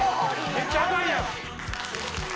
めっちゃ赤いやん。